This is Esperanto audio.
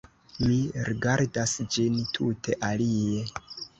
Mi rigardas ĝin tute alie.